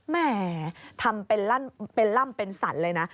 แหมทำเป็นล่ำเป็นสรรเลยนะ